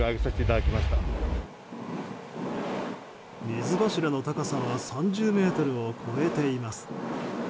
水柱の高さは３０ｍを超えています。